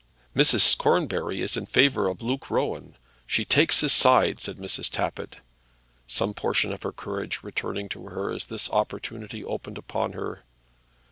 "Mrs. Cornbury is in favour of Luke Rowan; she takes his side," said Mrs. Tappitt, some portion of her courage returning to her as this opportunity opened upon her.